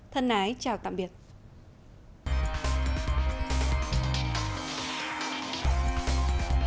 thân ái chào tạm biệt